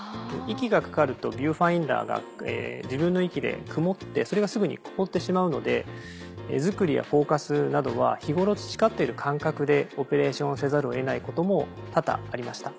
息がかかるとビューファインダーが自分の息で曇ってそれがすぐに凍ってしまうので画作りやフォーカスなどは日頃培ってる感覚でオペレーションをせざる得ないことも多々ありました。